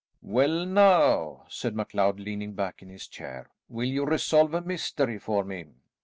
"Well, now," said MacLeod leaning back in his chair, "will you resolve a mystery for me?